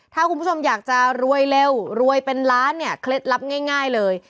ถ้าคุณผู้ชมอยากจะรวยเร็วรวยเป็นล้านเนี่ยเคล็ดลับง่ายเลย